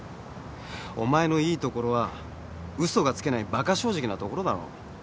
お前のいいところは嘘がつけないバカ正直なところだろ。